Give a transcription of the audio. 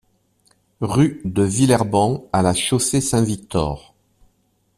Rue de Villerbon à La Chaussée-Saint-Victor